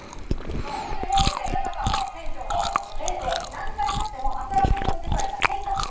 「ホントに個性豊かな船長さんなので何回乗ってもアトラクション自体が変化していきます」